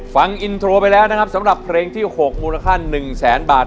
ฟังอินโทรไปแล้วนะครับสำหรับเพลงที่๖มูลค่า๑แสนบาท